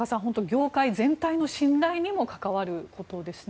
業界全体の信頼にも関わることですね。